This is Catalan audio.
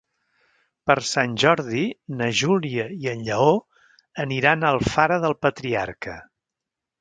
Per Sant Jordi na Júlia i en Lleó aniran a Alfara del Patriarca.